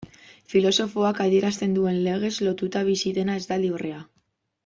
Filosofoak adierazten duen legez, lotuta bizi dena ez da librea.